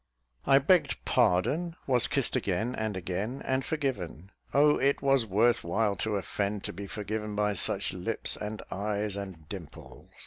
I begged pardon; was kissed again and again, and forgiven. Oh, it was worth while to offend to be forgiven by such lips, and eyes, and dimples.